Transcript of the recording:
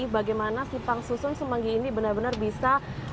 bagaimana simpang susun semanggi ini benar benar bisa